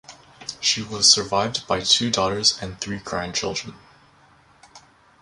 She was survived by two daughters and three grandchildren.